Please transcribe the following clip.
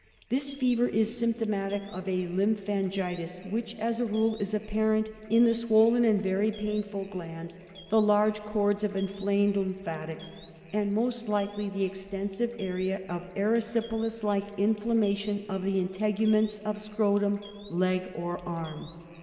This fever is symptomatic of a lymphangitis which, as a rule, is apparent in the swollen and very painful glands, the long cords of inflamed lymphatics and, most likely, the extensive area of erysipelas like inflammation of the integuments of scrotum, leg or arm.